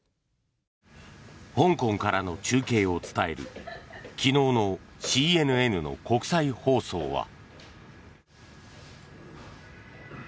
香港からの中継を伝える昨日のＣＮＮの国際放送は。